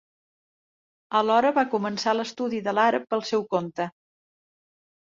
Alhora va començar l'estudi de l'àrab pel seu compte.